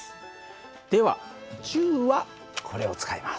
では銃はこれを使います。